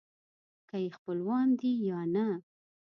که یې خپلوان دي یا نه.